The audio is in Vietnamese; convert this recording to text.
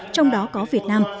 trong đó có việt nam